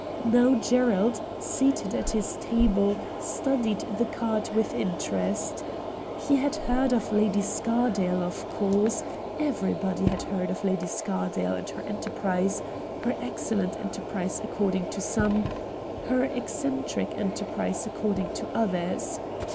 Now Gerald, seated at his table, studied the card with interest. He had heard of Lady Scardale, of course ; everybody had heard of Lady Scardale and her enterprise — her excellent enterprise according to some, her 30 RED DIAMONDS eccentric enterprise according to others.